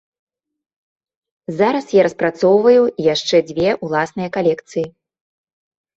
Зараз я распрацоўваю яшчэ дзве ўласныя калекцыі.